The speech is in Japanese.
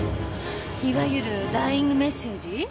いわゆるダイイングメッセージ？